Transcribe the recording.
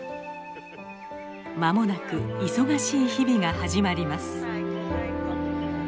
間もなく忙しい日々が始まります。